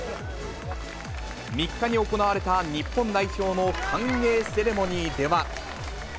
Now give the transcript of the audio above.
３日に行われた日本代表の歓迎セレモニーでは。